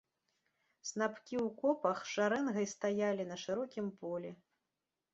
Снапкі ў копах шарэнгай стаялі на шырокім полі.